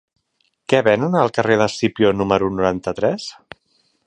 Què venen al carrer d'Escipió número noranta-tres?